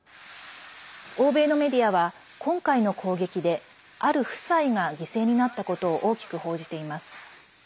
欧米のメディアは、今回の攻撃である夫妻が犠牲になったことを大きく報じています。